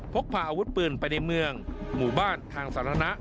พกพาอาวุธปืนไปในเมืองหมู่บ้านทางสาธารณะ